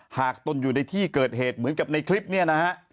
ตนอยู่ในที่เกิดเหตุเหมือนกับในคลิปเนี่ยนะฮะ